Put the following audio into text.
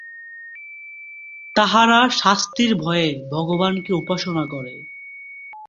তাহারা শাস্তির ভয়ে ভগবানকে উপাসনা করে।